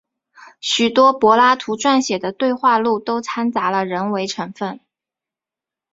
许多柏拉图撰写的对话录都参杂了人为成分。